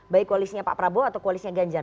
baik koalisnya pak prabowo atau koalisinya ganjar